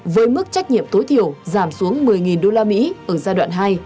với mức trách nhiệm tối thiểu giảm xuống một mươi usd ở giai đoạn hai